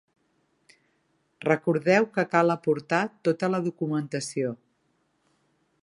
Recordeu que cal aportar tota la documentació.